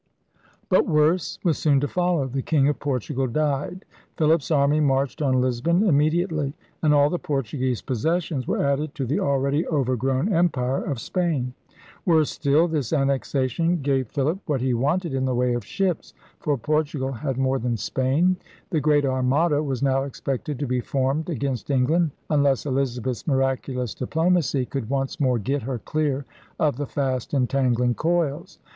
But worse was soon to follow. The king of Portugal died. Philip's army marched on Lisbon immediately, and all the Portuguese possessions were added to the already overgrown empire of Spain. ^Yorse still, this annexation gave Philip 'ENXOMPASSMENT OF ALL THE WORLDE' 145 what he wanted in tlie way of ships; for Portugal had more than Spain. The Great Armada was now expected to be formed against England, imless Elizabeth's miraculous diplomacy could once more get her clear of the fast entangling coils.